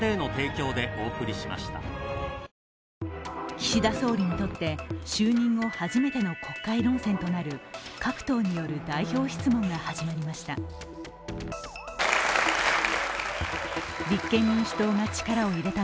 岸田総理にとって就任後初めての国会論戦となる各党による代表質問が始まりました。